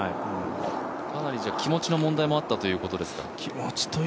かなり気持ちの問題もあったということですか？